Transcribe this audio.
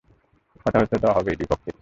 হতাহত তো হবেই, দুই পক্ষেরই।